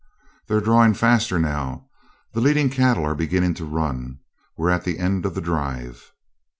'They're drawing faster now. The leading cattle are beginning to run. We're at the end of the drive.'